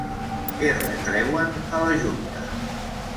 Què retreuen a la junta?